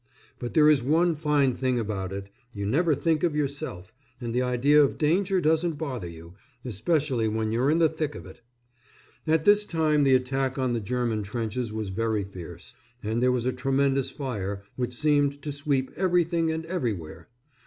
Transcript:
But there is one fine thing about it you never think of yourself, and the idea of danger doesn't bother you, especially when you're in the thick of it. At this time the attack on the German trenches was very fierce, and there was a tremendous fire which seemed to sweep everything and everywhere.